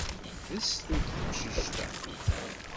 D sstut teqcict-a!